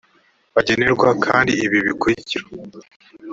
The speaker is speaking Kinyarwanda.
bagenerwa kandi ibi bikurikira